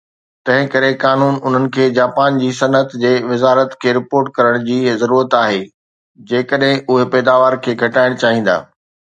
تنهن ڪري، قانون انهن کي جاپان جي صنعت جي وزارت کي رپورٽ ڪرڻ جي ضرورت آهي جيڪڏهن اهي پيداوار کي گهٽائڻ چاهيندا